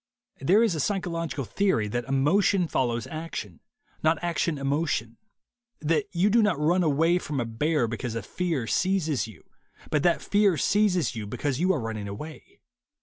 There is a psychological theory that emotion follows action, and not action emotion ; that you do not run away from a bear because a fear seizes you, but that fear seizes you because you are running away.